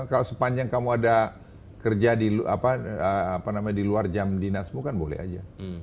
kalau sepanjang kamu ada kerja di luar jam dinasmu kan boleh aja